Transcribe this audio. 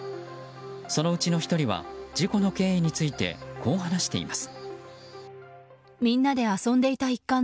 そのうちの１人は事故の経緯についてこう話しています。